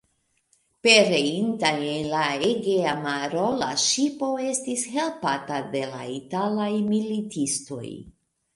Pereinta en la Egea maro, la ŝipo estis helpata de la italaj militistoj.